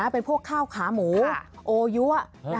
เป็นพวกข้าวขาหมูโอยัว